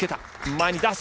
前に出す。